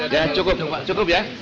ya cukup ya